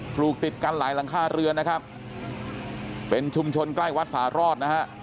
ลูกติดกันหลายหลังคาเรือนนะครับเป็นชุมชนใกล้วัดสารอดนะฮะ